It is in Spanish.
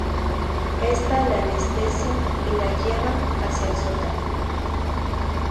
Esta la anestesia y la lleva hacia el sótano.